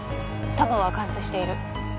弾は貫通している。